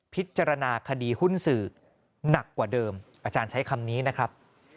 พิจารณาคดีหุ้นสื่อหนักกว่าเดิมอาจารย์ใช้คำนี้นะครับ